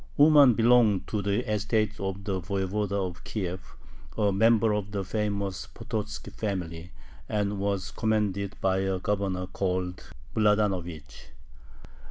Uman belonged to the estate of the Voyevoda of Kiev, a member of the famous Pototzki family, and was commanded by a governor called Mladanovich.